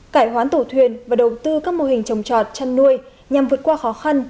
cải hoán tổ thuyền và đầu tư các mô hình trồng trọt chăn nuôi nhằm vượt qua khó khăn